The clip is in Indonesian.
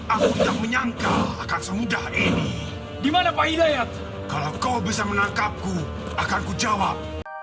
aku tidak menyangka akan semudah ini di mana pak hidayat kalau kau bisa menangkapku akan ku jawab